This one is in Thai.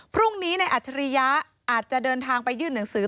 พรุ่งนี้ในอัจฉริยะอาจจะเดินทางไปยื่นหนังสือ